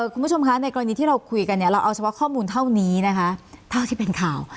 คุณผู้ชมคะในกรณีที่เราคุยกันเนี่ยเราเอาเฉพาะข้อมูลเท่านี้นะคะเท่าที่เป็นข่าว